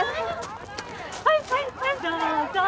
はいはいはいどうぞ。